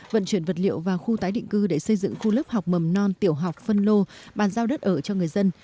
vận chuyển vật liệu vào khu tái định cư để xây dựng khu lớp học mầm non tiểu học phân lô bàn giao đất ở cho người dân